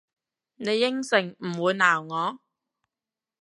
你應承唔會鬧我？